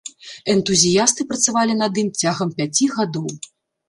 Энтузіясты працавалі над ім цягам пяці гадоў.